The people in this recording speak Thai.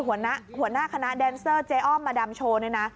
หัวหน้าคณะแดนเซอร์เจ้อ้อมมาดำโชน